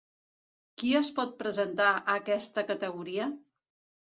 Qui es pot presentar a aquesta categoria?